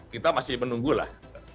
kita masih menunggulah